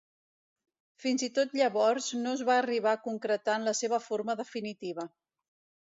Fins i tot llavors no es va arribar a concretar en la seva forma definitiva.